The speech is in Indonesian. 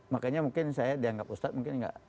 makanya mungkin saya dianggap ustadz mungkin tidak cocok